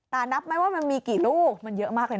แต่นับไหมว่ามันมีกี่ลูกมันเยอะมากเลยนะ